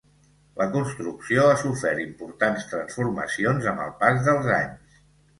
La construcció ha sofert importants transformacions amb el pas dels anys.